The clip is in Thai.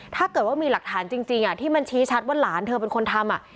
ถ้าเกิดว่ามีหลักฐานจริงที่มันชี้ชัดว่าหลานเธอเป็นคนทำ